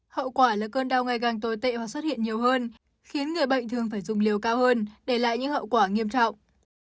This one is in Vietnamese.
hậu quả là cơn đau ngày càng tồi tệ và xuất hiện nhiều hơn khiến người bệnh thường phải dùng liều cao hơn để lại những hậu quả nghiêm trọng